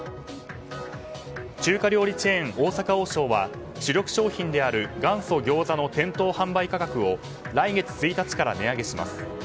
中華料理チェーン大阪王将は主力商品である元祖餃子の店頭販売価格を来月１日から値上げします。